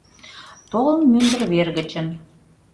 Толын мӱндыр вер гычын